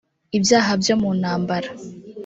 ibyaha byo mu ntambara